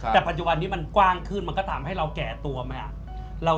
แต่ปัจจุบันนี้มันกว้างขึ้นมันก็ทำให้เราแก่ตัวไหม